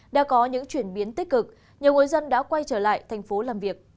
đã có những chuyển biến tích cực nhiều người dân đã quay trở lại thành phố làm việc